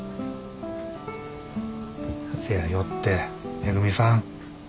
せやよってめぐみさん。